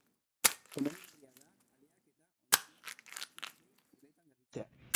Komenigarria da aleak eta ontzia astean behin uretan garbitzea.